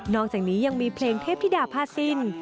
อกจากนี้ยังมีเพลงเทพธิดาผ้าสิ้น